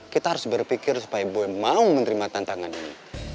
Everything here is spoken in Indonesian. kita harus berpikir supaya mau menerima tantangan ini